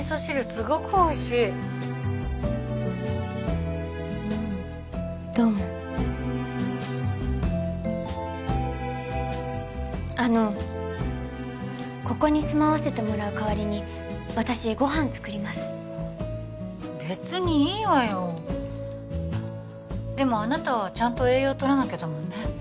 すごくおいしいうんっどうもあのここに住まわせてもらうかわりに私ご飯作りますべつにいいわよでもあなたはちゃんと栄養とらなきゃだもんね